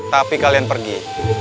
tapi kalian pergi